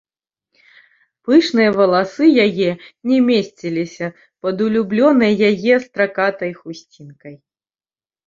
Пышныя валасы яе не месціліся пад улюбёнай яе стракатай хусцінкай.